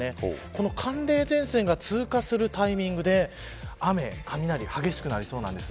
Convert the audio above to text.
この寒冷前線が通過するタイミングで雨、雷激しくなりそうなんです。